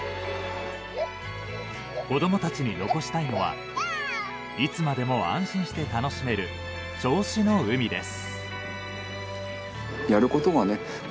子どもたちに残したいのはいつまでも安心して楽しめる銚子の海です。